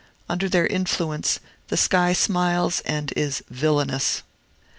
Under their influence, the sky smiles and is villanous.